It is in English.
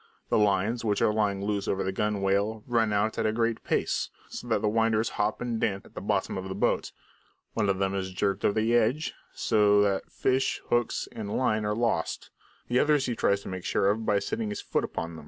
The lines, which are lying loose over the gunwale, run out at a great pace, so that the winders hop and dance about at the bottom of the boat. One of them is jerked over the edge, so that fish, hooks, and line are lost; the other he tries to make sure of by setting his foot upon it.